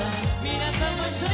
皆さんも一緒に！